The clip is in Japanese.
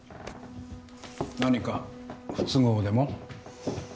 何か不都合でも？